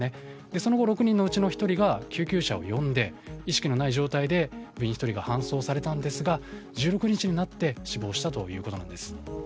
その後、６人のうちの１人が救急車を呼んで意識のない状態で部員１人が搬送されたんですが１６日になって死亡したということです。